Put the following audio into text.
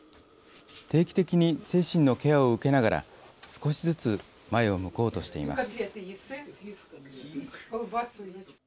定期的に精神のケアを受けながら、少しずつ前を向こうとしています。